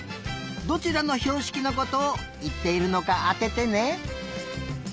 どちらのひょうしきのことをいっているのかあててね。